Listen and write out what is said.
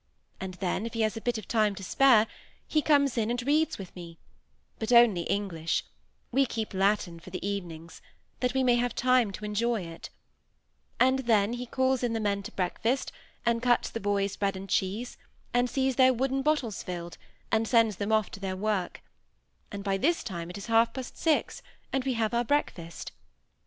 And then, if he has a bit of time to spare, he comes in and reads with me—but only English; we keep Latin for the evenings, that we may have time to enjoy it; and then he calls in the men to breakfast, and cuts the boys' bread and cheese; and sees their wooden bottles filled, and sends them off to their work;—and by this time it is half past six, and we have our breakfast.